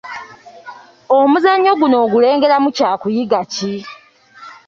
Omuzannyo guno ogulengeramu kyakuyiga ki?